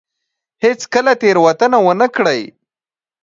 هېڅ کله تېروتنه ونه کړي.